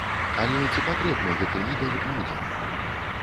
Але ці патрэбны гэты лідэр людзям?